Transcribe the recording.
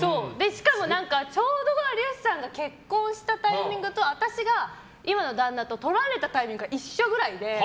しかも、ちょうど有吉さんが結婚したタイミングと私が今の旦那と撮られたタイミングが一緒くらいで。